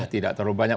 tidak terlalu banyak